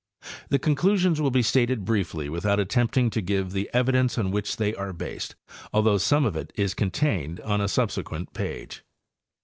The conclusions will be stated briefly without attempting to give the evidence on which they are based, although some of it is contained a subsequent page.